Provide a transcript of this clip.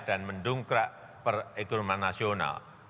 dan mendungkrak perekonomian nasional